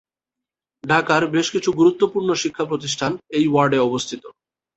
ঢাকার বেশ কিছু গুরুত্বপূর্ণ শিক্ষা প্রতিষ্ঠান এই ওয়ার্ডে অবস্থিত।